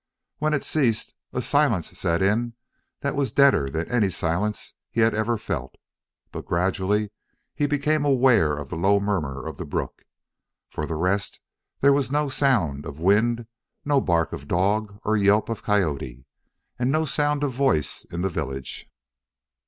When it ceased a silence set in that was deader than any silence he had ever felt, but gradually he became aware of the low murmur of the brook. For the rest there was no sound of wind, no bark of dog or yelp of coyote, no sound of voice in the village.